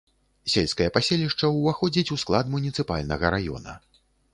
Сельскае паселішча ўваходзіць у склад муніцыпальнага раёна.